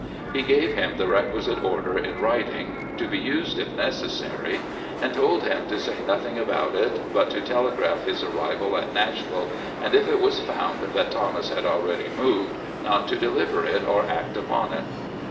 He gave him the requisite order in writing, to be used if neces sary ; and told him to say nothing about it, but to tele graph his arrival at Nashville, and if it was found that Thomas had already moved, not to deliver it or act upon it.